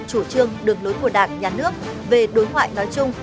chủ trương đường lối của đảng nhà nước về đối ngoại nói chung